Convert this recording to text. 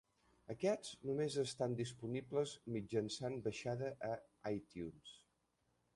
Aquests només estan disponibles mitjançant baixada a iTunes.